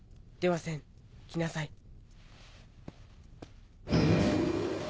では千来なさい。